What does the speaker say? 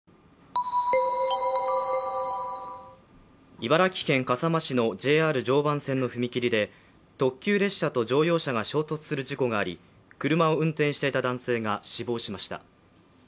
茨城県笠間市のＪＲ常磐線の踏切で特急列車と乗用車が衝突する事故があり車を運転していた男性が死亡しました。